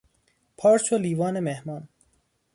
پارچ و لیوان مهمان